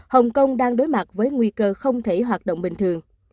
hồng kông đang đối mặt với nguy cơ không thể hoạt động bình thường